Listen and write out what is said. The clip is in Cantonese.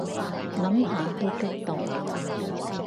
諗下都激動